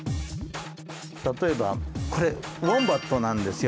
例えばこれウォンバットなんですよ。